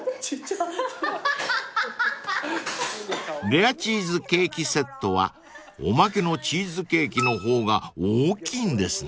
［レアチーズケーキセットはおまけのチーズケーキの方が大きいんですね］